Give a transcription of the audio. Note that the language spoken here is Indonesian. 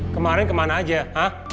kemarin kemana aja ha